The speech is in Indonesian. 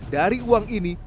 dari uang ini